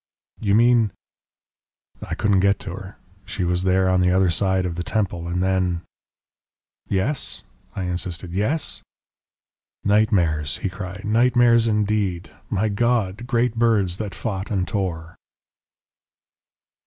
"You mean?" "I couldn't get to her. She was there on the other side of the Temple And then " "Yes," I insisted. "Yes?" "Nightmares," he cried; "nightmares indeed! My God! Great birds that fought and tore."